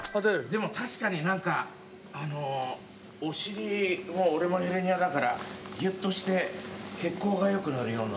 でも確かになんかお尻俺もヘルニアだからぎゅっとして血行が良くなるような。